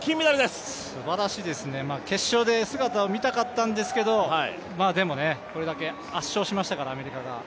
すばらしいですね、決勝で姿を見たかったんですけれどもでもこれだけ圧勝しましたから、アメリカが。